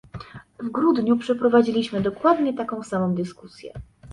W grudniu przeprowadziliśmy dokładnie taką samą dyskusję